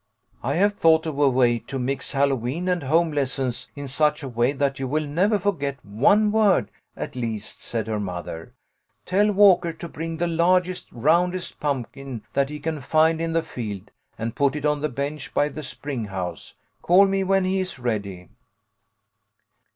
" I have thought of a way to mix Hallowe'en and home lessons in such a way that you will never forget one word, at least," said her mother. "Tell Walker to bring the largest, roundest pumpkin that he can find in the field, and put it on the bench by the spring house. Call me when he is ready."